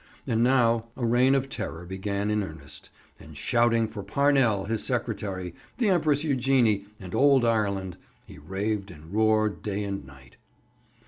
And now a reign of terror began in earnest, and shouting for Parnell, his secretary, the Empress Eugenie, and Old Ireland, he raved and roared day and night.